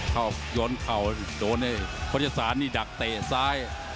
โยนเข่าโดนไอ้โฆษศาลนี่ดักเตะซ้าย